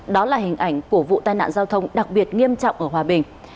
đó là hình ảnh của vụ tai nạn giao thông đặc biệt nghiêm trọng ở hòa bình